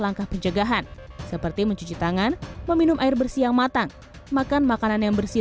langkah pencegahan seperti mencuci tangan meminum air bersih yang matang makan makanan yang bersih